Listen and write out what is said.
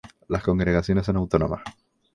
Las congregaciones son autónomas.